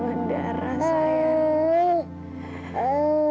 mama cintain penceranaanwi